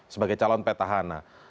sebagai calon petahana